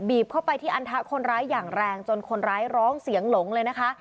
เข้าไปที่อันทะคนร้ายอย่างแรงจนคนร้ายร้องเสียงหลงเลยนะคะ